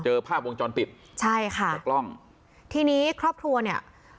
ภาพวงจรปิดใช่ค่ะจากกล้องทีนี้ครอบครัวเนี่ย